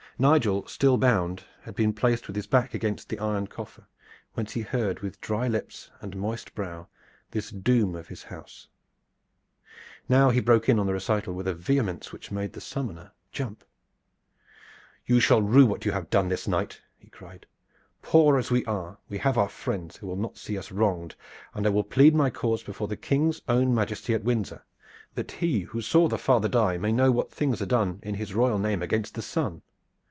Nigel, still bound, had been placed with his back against the iron coffer, whence he heard with dry lips and moist brow this doom of his house. Now he broke in on the recital with a vehemence which made the summoner jump: "You shall rue what you have done this night!" he cried. "Poor as we are, we have our friends who will not see us wronged, and I will plead my cause before the King's own majesty at Windsor, that he, who saw the father die, may know what things are done in his royal name against the son.